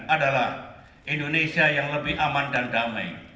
adalah indonesia yang lebih aman dan damai